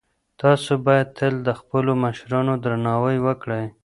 تاسو باید تل د خپلو مشرانو درناوی وکړئ.